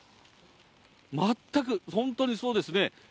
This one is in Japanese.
全く、本当にそうですね。